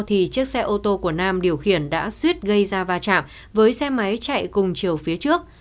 thì chiếc xe ô tô của nam điều khiển đã suýt gây ra va chạm với xe máy chạy cùng chiều phía trước